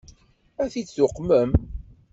Ad t-id-tuqmem?